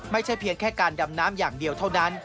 ไม่ใช่เพียงแค่การดำน้ำอย่างเดียวเท่านั้น